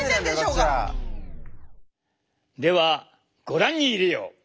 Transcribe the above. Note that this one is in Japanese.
ではご覧に入れよう。